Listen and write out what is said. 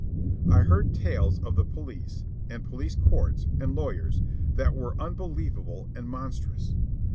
I heard tales of the police, and police courts, and lawyers, that were unbelievable and monstrous.